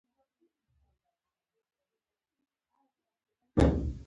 د جنګ و جګړو په رشتو جنجالونه ممکن دي.